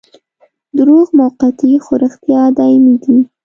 دروغ موقتي خو رښتیا دايمي دي.